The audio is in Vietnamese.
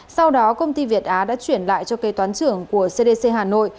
sau đó công ty việt á đã chuyển lại cho cây toán trưởng của cdc hà nội